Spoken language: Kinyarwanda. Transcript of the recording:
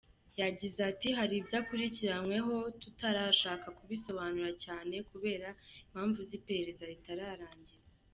Yagize ati “Hari ibyo akurikiranweho tutarashaka ko bisobanurwa cyane kubera impamvu z’iperereza rigitangira.”